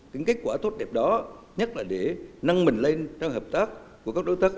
những kết quả tốt đẹp đó nhất là để năng mình lên trong hợp tác của các đối tác